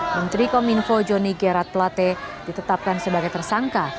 menteri kominfo joni gerard plate ditetapkan sebagai tersangka